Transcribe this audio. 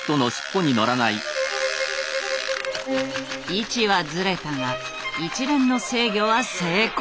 位置はズレたが一連の制御は成功。